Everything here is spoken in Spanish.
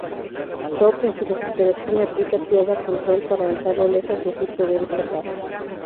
Toph en su desesperación aplica tierra control para lanzarlo lejos y así poder escapar.